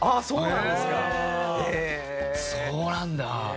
そうなんだ。